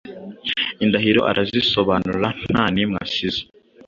Indahiro arazisobanuranta nimwe asize